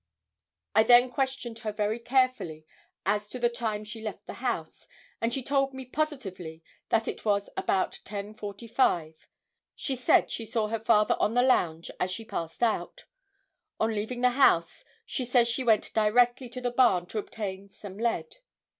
"I then questioned her very carefully as to the time she left the house, and she told me positively that it was about 10:45. She said she saw her father on the lounge as she passed out. On leaving the house, she says she went directly to the barn to obtain some lead.